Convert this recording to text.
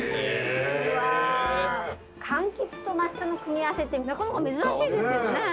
うわかんきつと抹茶の組み合わせってなかなか珍しいですよね。